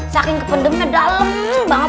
saking kependemnya dalem banget